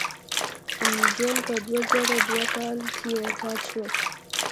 جون په دوه زره دوه کال کې وفات شو